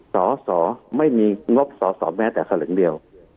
สอไม่มีงบสอแม้แต่ครึ่งเดียว